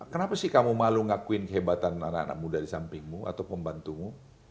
kenapa sih kamu malu ngakuin kehebatan anak anak muda di sampingmu atau pembantumu